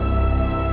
oh si semuanya